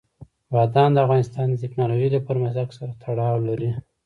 بادام د افغانستان د تکنالوژۍ له پرمختګ سره تړاو لري.